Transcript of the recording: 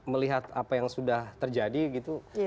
melihat apa yang sudah terjadi gitu